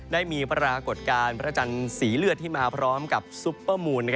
ได้มีปรากฏการณ์พระจันทร์สีเลือดที่มาพร้อมกับซุปเปอร์มูล